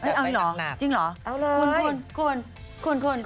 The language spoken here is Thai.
เอาเลย